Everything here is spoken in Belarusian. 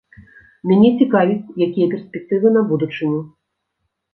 Мяне цікавіць, якія перспектывы на будучыню!